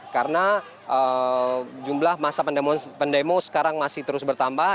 karena jumlah masa pendemo sekarang masih terus bertambah